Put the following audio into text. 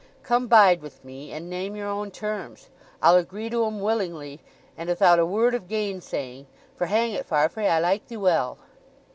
Come bide with me—and name your own terms. I'll agree to 'em willingly and 'ithout a word of gainsaying; for, hang it, Farfrae, I like thee well!"